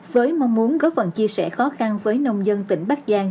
với mong muốn góp phần chia sẻ khó khăn với nông dân tỉnh bắc giang